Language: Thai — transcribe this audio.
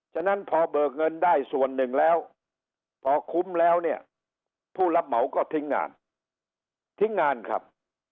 ฉะนั้นพอเบิกเงินได้ส่วนหนึ่งแล้วพอคุ้มแล้วเนี่ยผู้รับเหมาก็ทิ้งงานทิ้งงานครับ